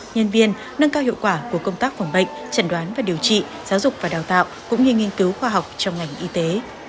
nhân viên nâng cao hiệu quả của công tác phòng bệnh chẩn đoán và điều trị giáo dục và đào tạo cũng như nghiên cứu khoa học trong ngành y tế